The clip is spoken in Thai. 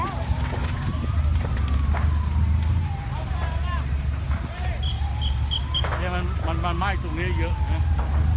นี่มันมันมันไม่สูงเนี้ยเยอะน่ะ